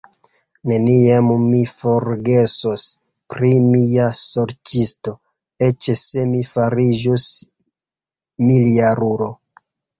Neniam mi forgesos pri mia sorĉisto, eĉ se mi fariĝus miljarulo.